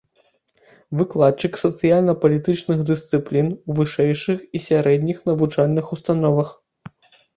Выкладчык сацыяльна-палітычных дысцыплін у вышэйшых і сярэдніх навучальных установах.